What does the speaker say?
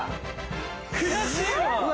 悔しいわ。